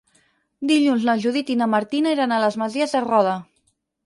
Dilluns na Judit i na Martina iran a les Masies de Roda.